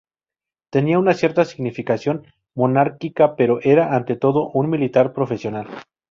Tenía una cierta significación monárquica pero era, ante todo, un militar profesional.